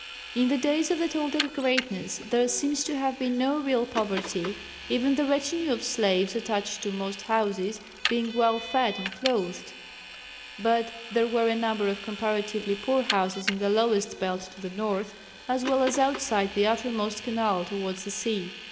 In the days of the Toltec greatness there seems to have been no real poverty even the retinue of slaves attached to most houses being well fed and clothed but there were a number of comparatively poor houses in the lowest belt to the north, as well as outside the outermost canal towards the sea.